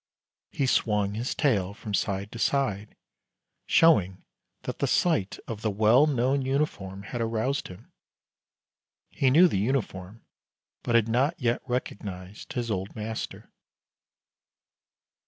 He swung his tail from side to side, showing that the sight of the well known uniform had aroused him. He knew the uniform, but had not yet recognized his old master.